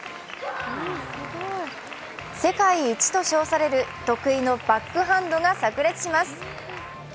世界一と称される得意のバックハンドがさく裂します。